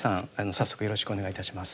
早速よろしくお願いいたします。